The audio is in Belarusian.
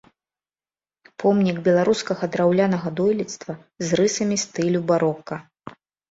Помнік беларускага драўлянага дойлідства з рысамі стылю барока.